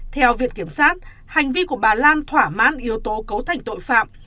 theo viện kiểm sát hành vi của bà lan thỏa mãn yếu tố cấu thành tội phạm